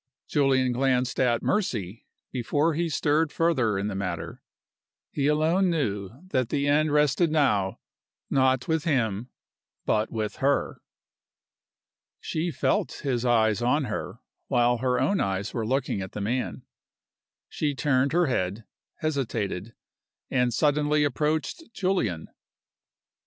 Julian glanced at Mercy before he stirred further in the matter. He alone knew that the end rested now not with him but with her. She felt his eye on her while her own eyes were looking at the man. She turned her head hesitated and suddenly approached Julian.